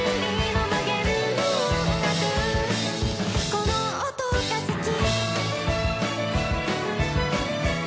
「この音が好き」